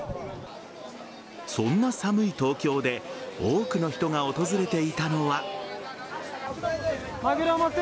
そんな寒い東京で多くの人が訪れていたのは。